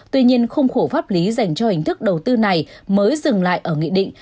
tuy nhiên khung khổ pháp lý dành cho hình thức đầu tư này mới dừng lại ở nghị định